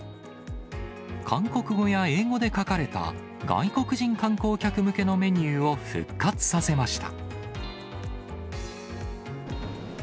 韓国語や英語で書かれた、外国人観光客向けのメニューを復活させました。